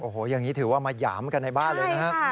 โอ้โหอย่างนี้ถือว่ามาหยามกันในบ้านเลยนะฮะ